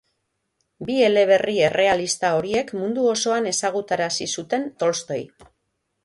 Bi eleberri errealista horiek mundu osoan ezagutarazi zuten Tolstoi.